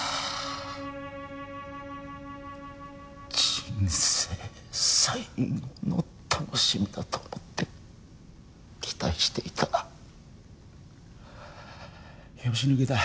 人生最後の楽しみだと思って期待していたが拍子抜けだ。